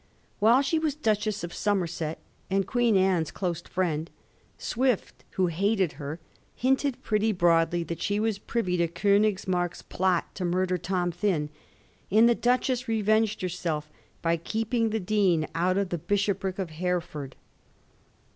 While she was Duchess of Somerset and Queen Anne's close friend, Swift, who hated her, hinted pretty broadly that she was privy to Eonigs mark's plot to murder Tom Thynne, and the Duchess revenged herself by keeping the Dean out of the bishopric of Hereford.